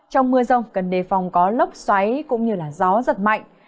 trong mưa rông cần đề phòng có lốc xoáy cũng như gió giật mạnh